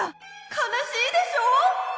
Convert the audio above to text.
かなしいでしょ！